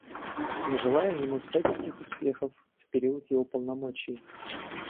Мы желаем ему всяческих успехов в период его полномочий.